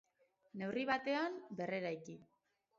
Neurri batean, berreraiki.